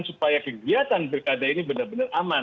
supaya kegiatan berkada ini benar benar aman